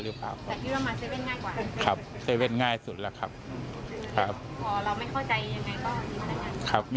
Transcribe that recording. เรียบร้อยแล้วน่ะหรือเปล่า